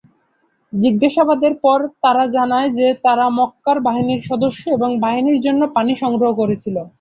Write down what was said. জিজ্ঞাসাবাদের পর তারা জানায় যে তারা মক্কার বাহিনীর সদস্য এবং বাহিনীর জন্য পানি সংগ্রহ করছিল।